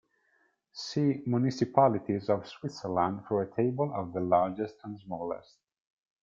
See Municipalities of Switzerland for a table of the largest and smallest.